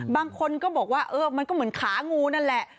บางคนก็บอกว่าเออมันก็เหมือนขางูนั่นแหละ